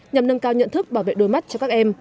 nhằm nâng cao nhận thức bảo vệ đôi mắt cho các em